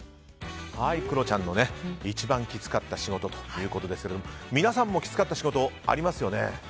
クロちゃんの一番きつかった仕事ということですが皆さんも、きつかった仕事ありますよね？